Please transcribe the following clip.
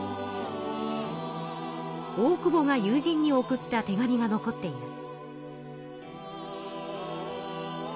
大久保が友人に送った手紙が残っています。